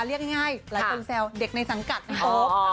เรียกง่ายหลายคนแซวเด็กในสังกัดพี่โป๊ป